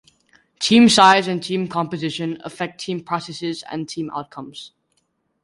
Team size and team composition affect team processes and team outcomes.